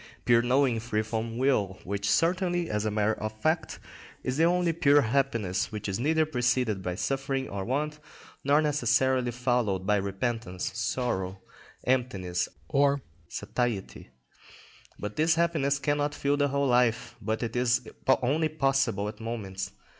_, pure knowing free from will, which certainly, as a matter of fact, is the only pure happiness, which is neither preceded by suffering or want, nor necessarily followed by repentance, sorrow, emptiness, or satiety; but this happiness cannot fill the whole life, but is only possible at moments.